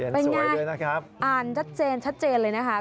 เป็นงานอ่านชัดเจนชัดเจนเลยนะคะ